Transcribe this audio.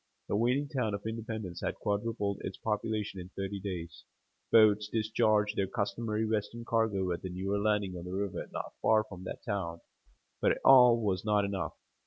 The waning town of Independence had quadrupled its population in thirty days. Boats discharged their customary western cargo at the newer landing on the river, not far above that town; but it all was not enough.